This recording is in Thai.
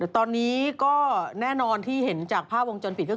ตอนนี้ก็แน่นอนที่เห็นจากภาพวงจรปิดก็คือ